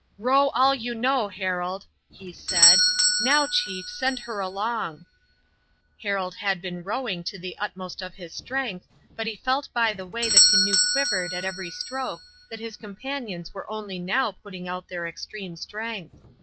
"Row all you know, Harold," he said. "Now, chief, send her along." Harold had been rowing to the utmost of his strength, but he felt by the way the canoe quivered at every stroke that his companions were only now putting out their extreme strength.